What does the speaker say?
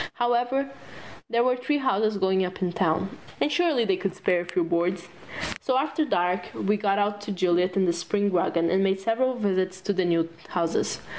However, there were three houses going up in town and surely they could spare a few boards. So after dark we got out old Juliet and the spring wagon and made several visits to the new houses.